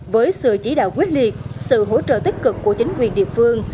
với sự chỉ đạo quyết liệt sự hỗ trợ tích cực của chính quyền địa phương